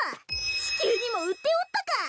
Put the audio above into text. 地球にも売っておったか！